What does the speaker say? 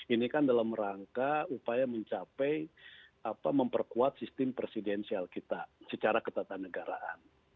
ini kan dalam rangka upaya mencapai memperkuat sistem presidensial kita secara ketatanegaraan